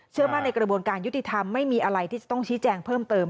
มั่นในกระบวนการยุติธรรมไม่มีอะไรที่จะต้องชี้แจงเพิ่มเติม